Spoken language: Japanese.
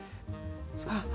あっ！